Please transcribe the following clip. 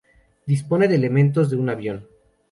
Dispone de elementos de un avión.